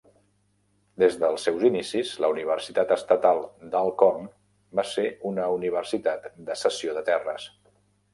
Des dels seus inicis, la Universitat Estatal d'Alcorn va ser una universitat de cessió de terres.